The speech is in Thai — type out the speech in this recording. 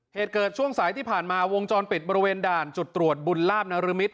เหตุเกิดช่วงสายที่ผ่านมาวงจรปิดบริเวณด่านจุดตรวจบุญลาบนรมิตร